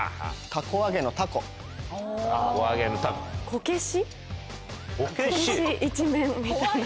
こけし一面みたいな。